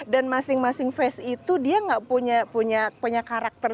masing masing face itu dia nggak punya karakter